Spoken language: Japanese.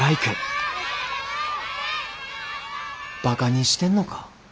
ばかにしてんのか？